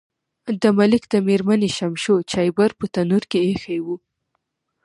د ملک د میرمنې شمشو چایبر په تنور کې ایښی و.